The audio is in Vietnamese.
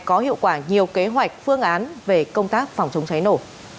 có hiệu quả nhiều kế hoạch phương án về công tác phòng chống cháy nổ